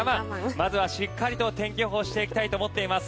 まずはしっかりと天気予報をしていきたいと思っています。